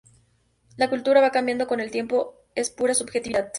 La cultura va cambiando con el tiempo, es pura subjetividad.